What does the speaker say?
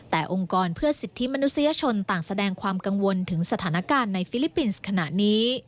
แต่องค์กรเพื่อสิทธิมนุษยชนต่างแสดงความกังวลถึงสถานการณ์ในฟิลิปปินส์ขณะนี้